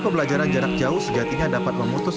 pembelajaran jarak jauh sejatinya dapat memutus